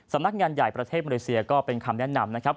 สำนักงานใหญ่ประเทศมาเลเซียก็เป็นคำแนะนำนะครับ